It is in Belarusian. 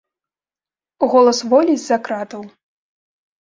Голас волі з-за кратаў.